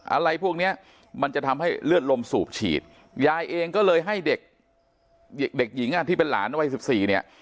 อะไรพวกเนี้ยมันจะทำให้เลือดลมสูบฉีดยายเองก็เลยให้เด็กเด็กหญิงอ่ะที่เป็นหลานวัยสิบสี่เนี่ย